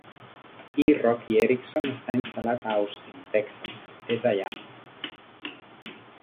I Roky Erickson està instal·lat a Austin, Texas; és allà.